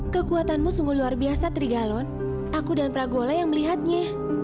kekuatanmu sungguh luar biasa trigalon aku dan pragola yang melihatnya